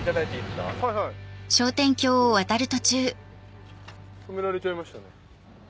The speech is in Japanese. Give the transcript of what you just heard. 何か止められちゃいましたね。